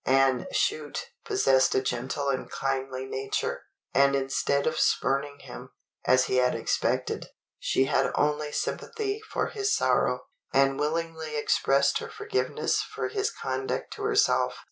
Anne Chute possessed a gentle and kindly nature; and instead of spurning him, as he had expected, she had only sympathy for his sorrow, and willingly expressed her forgiveness for his conduct to herself.